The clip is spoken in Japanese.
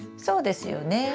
そうですよね。